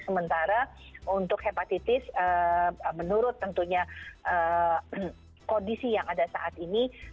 sementara untuk hepatitis menurut tentunya kondisi yang ada saat ini